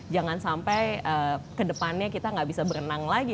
jangan sampai ke depannya kita nggak bisa berenang lagi